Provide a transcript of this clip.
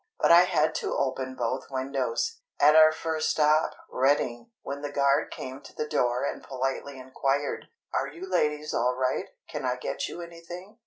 But I had to open both windows. At our first stop, Reading, when the guard came to the door and politely inquired, "Are you ladies all right? Can I get you anything?"